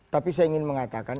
tapi saya ingin mengatakan